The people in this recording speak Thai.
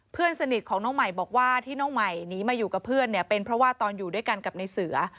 เพื่อนสนิทของน้องใหม่บอกว่าที่น้องใหม่หนีมาอยู่กับเพื่อนเนี่ยเป็นเพราะว่าตอนอยู่ด้วยกันกับในเสือ